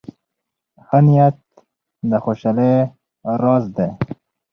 ښه نیت د خوشحالۍ راز دی.